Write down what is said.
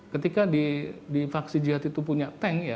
ketika di faksi jihad itu punya tank ya